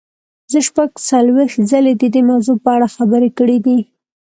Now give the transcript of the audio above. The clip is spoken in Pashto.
زه شپږ څلوېښت ځلې د دې موضوع په اړه خبرې کړې دي.